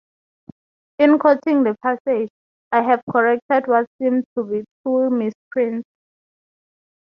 In quoting the passage, I have corrected what seem to be two misprints.